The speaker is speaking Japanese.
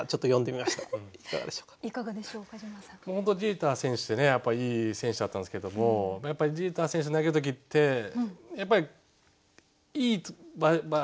本当ジーター選手ってねいい選手だったんですけどもやっぱりジーター選手投げる時ってやっぱりいい場ポジション的に回ってくるんですよ。